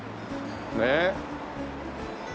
ねえ。